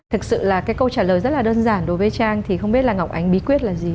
thực sự là cái câu trả lời rất là đơn giản đối với trang thì không biết là ngọc ánh bí quyết là gì